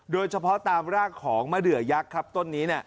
โดยเฉพาะตามรากของมะเดือยักษ์ครับต้นนี้